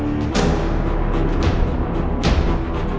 jini jini jini